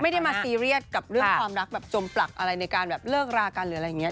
ไม่ได้มาซีเรียสกับเรื่องความรักแบบจมปลักอะไรในการแบบเลิกรากันหรืออะไรอย่างนี้